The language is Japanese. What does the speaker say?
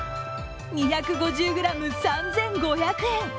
２５０ｇ３５００円！